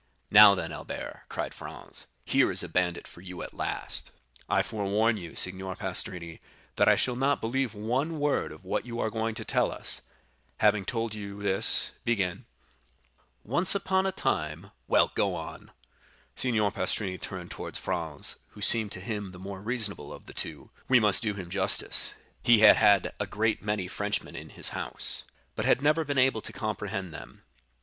"Now then, Albert," cried Franz, "here is a bandit for you at last." "I forewarn you, Signor Pastrini, that I shall not believe one word of what you are going to tell us; having told you this, begin. 'Once upon a time——' Well, go on." Signor Pastrini turned toward Franz, who seemed to him the more reasonable of the two; we must do him justice,—he had had a great many Frenchmen in his house, but had never been able to comprehend them.